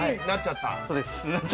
なっちゃった。